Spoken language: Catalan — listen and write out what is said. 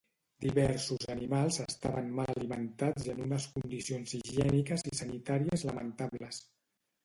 Diversos animals estaven mal alimentats i en unes condicions higièniques i sanitàries lamentables.